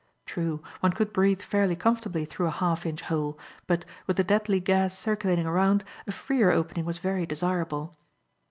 True, one could breathe fairly comfortably through a half inch hole, but, with the deadly gas circulating around, a freer opening was very desirable.